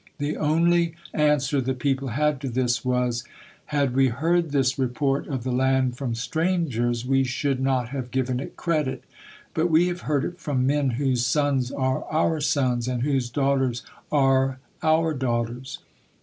The only answer the people had to this was, "Had we heard this report of the land from strangers, we should not have given it credit, but we have heard it from men whose sons are our sons, and whose daughters are our daughters."